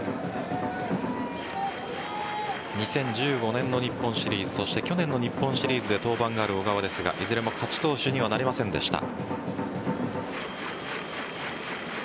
２０１５年の日本シリーズそして去年の日本シリーズで登板がある小川ですがいずれも勝ち投手にはなれませんでした。